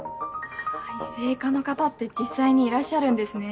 異性化の方って実際にいらっしゃるんですね。